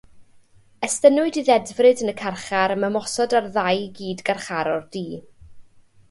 Estynnwyd ei ddedfryd yn y carchar am ymosod ar ddau gyd-garcharor du.